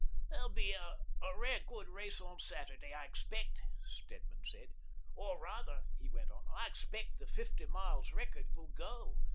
" There'll be a rare good race on Saturday, I expect," Stedman said. " Or rather," he went on, "I expect the fifty miles record will go.